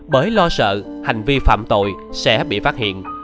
bởi lo sợ hành vi phạm tội sẽ bị phát hiện